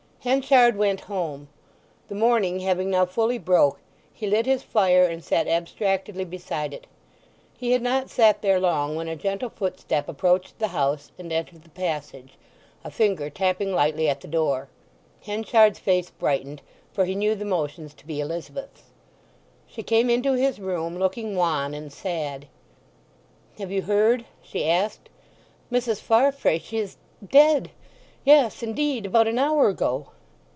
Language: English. XLI. Henchard went home. The morning having now fully broke he lit his fire, and sat abstractedly beside it. He had not sat there long when a gentle footstep approached the house and entered the passage, a finger tapping lightly at the door. Henchard's face brightened, for he knew the motions to be Elizabeth's. She came into his room, looking wan and sad. "Have you heard?" she asked. "Mrs. Farfrae! She is—dead! Yes, indeed—about an hour ago!"